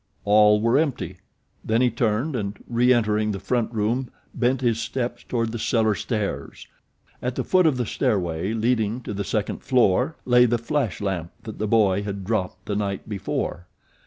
All were empty; then he turned and re entering the front room bent his steps toward the cellar stairs. At the foot of the stairway leading to the second floor lay the flash lamp that the boy had dropped the night before.